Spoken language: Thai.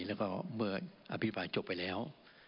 แล้วก็เมื่ออภิปรายจบไปแล้ว